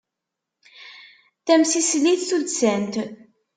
Tamsislit tuddsant.